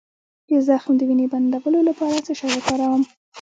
د زخم د وینې بندولو لپاره څه شی وکاروم؟